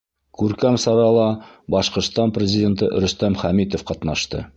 Күркәм сарала Башҡортостан Президенты Рөстәм Хәмитов ҡатнашты.